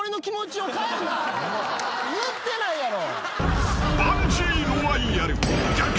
言ってないやろ。